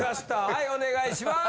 はいお願いします。